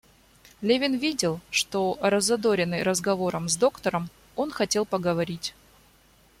Левин видел, что, раззадоренный разговором с доктором, он хотел поговорить.